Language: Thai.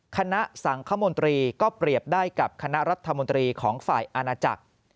คณะสังคมนตรีก็เปรียบได้กับคณะรัฐมนตรีของฝ่ายอาณาจักร